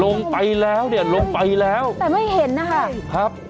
ลงไปแล้วเนี่ยลงไปแล้วแต่ไม่เห็นนะคะครับ